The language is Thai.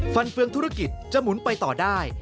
ฟันเฟืองธุรกิจจะหมุนไปต่อได้